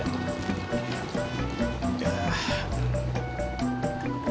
nungguin nasi mateng